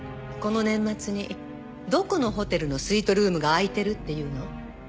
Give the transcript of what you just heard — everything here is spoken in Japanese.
この年末にどこのホテルのスイートルームが空いてるっていうの？